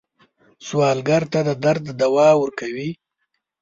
سوالګر ته د درد دوا ورکوئ